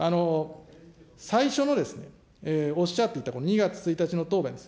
最初のおっしゃっていたこの２月１日の答弁です。